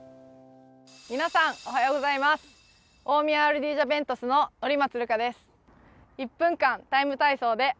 皆さん、おはようございます大宮アルディージャＶＥＮＴＵＳの乗松瑠華です。